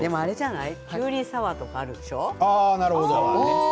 きゅうりサワーとかあるでしょう。